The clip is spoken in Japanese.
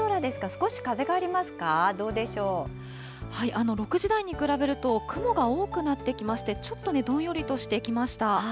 少し風がありますか、どうでしょ６時台に比べると、雲が多くなってきまして、ちょっとどんよりとしてきました。